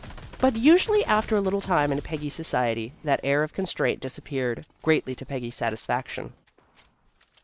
But usually after a little time in Peggy's society, that air of constraint disappeared, greatly to Peggy's satisfaction.